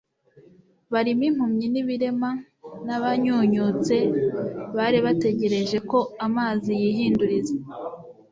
barimo impumyi n’ibirema, n’abanyunyutse bari bategereje ko amazi yihinduriza”